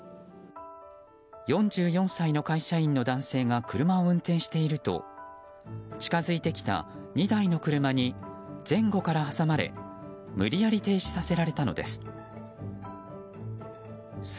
４４歳の会社員の男性が車を運転していると近づいてきた２台の車に前後から挟まれ無理やり停止させられたのです。